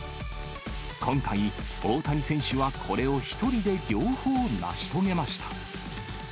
今回、大谷選手はこれを一人で両方成し遂げました。